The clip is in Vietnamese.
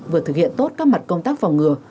vừa thực hiện tốt các mặt công tác phòng ngừa